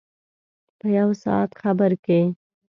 په یو ساعت خبر کې.